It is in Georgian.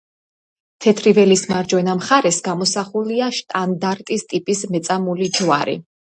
თეთრი ველის მარჯვენა მხარეს გამოსახულია შტანდარტის ტიპის მეწამული ჯვარი.